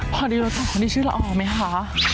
พอดีรู้จักคนที่ชื่อละออมไหมคะ